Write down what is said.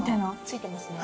ついてますね。